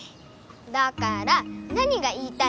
だから何が言いたいの？